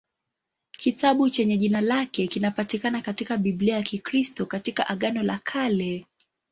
Kitabu chenye jina lake kinapatikana katika Biblia ya Kikristo katika Agano la Kale.